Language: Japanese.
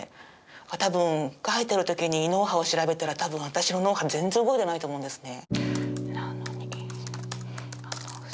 多分書いてる時に脳波を調べたら多分私の脳波全然動いてないと思うんですね。